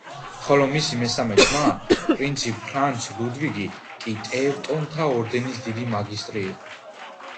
ხოლო მისი მესამე ძმა, პრინცი ფრანც ლუდვიგი კი ტევტონთა ორდენის დიდი მაგისტრი იყო.